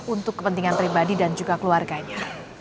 untuk kepentingan pribadi dan juga keluarganya